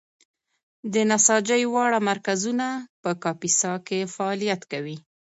د نساجۍ واړه مرکزونه په کاپیسا کې فعالیت کوي.